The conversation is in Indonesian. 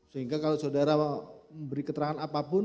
sehingga kalau sudara beri keterangan apapun